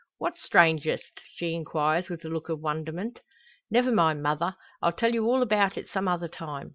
"What's strangest?" she inquires with a look of wonderment. "Never mind, mother! I'll tell you all about it some other time.